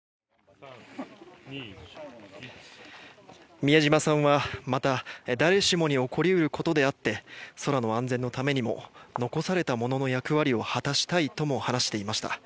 美谷島さんはまた、誰しもに起こり得ることであって空の安全のためにも残された者の役割を果たしたいとも話していました。